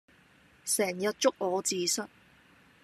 成日捉我字蝨